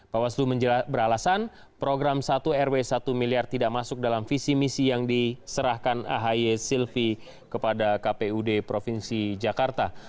bawaslu beralasan program satu rw satu miliar tidak masuk dalam visi misi yang diserahkan ahy silvi kepada kpud provinsi jakarta